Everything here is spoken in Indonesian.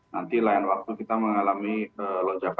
nanti lain waktu kita mengalami lonjakan